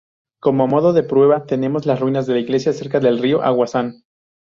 Como modo de prueba tenemos las ruinas de una iglesia cerca del río Agusan.